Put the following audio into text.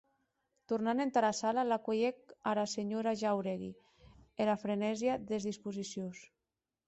Tornant entara sala, la cuelhec ara senhora Jáuregui era frenesia des disposicions.